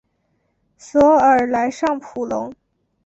索尔莱尚普隆。